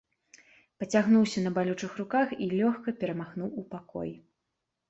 Падцягнуўся на балючых руках і лёгка перамахнуў у пакой.